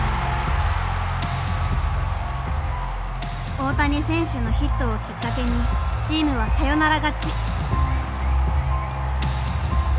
大谷選手のヒットをきっかけにチームはサヨナラ勝ち。